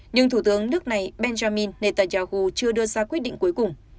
nhưng thủ tướng nước này benjamin netanyahu chưa đưa ra quyết định cuối cùng